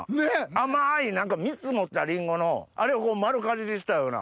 甘い蜜持ったリンゴのあれをこう丸かじりしたような。